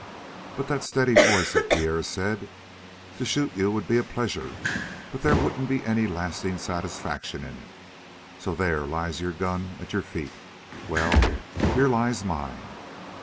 But that steady voice of Pierre said: "To shoot you would be a pleasure, but there wouldn't be any lasting satisfaction in it. So there lies your gun at your feet. Well, here lies mine."